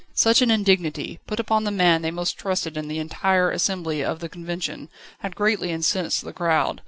Such an indignity, put upon the man they most trusted in the entire assembly of the Convention, had greatly incensed the crowd.